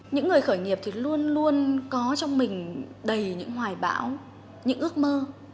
những người khởi nghiệp thì luôn luôn có trong mình đầy những hoài bão những ước mơ